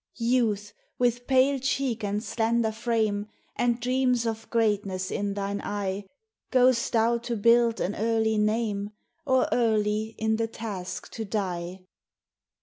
Youth, with pale cheek and slender frame, And dreams of greatness in thine eye ! Go'st thou to build an early name, Or early in the task to die